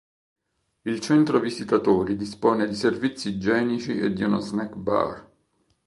Il centro visitatori dispone di servizi igienici e di uno snack bar.